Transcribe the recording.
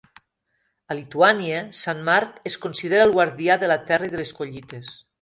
A Lituània, Sant Marc es considera el guardià de la terra i de les collites.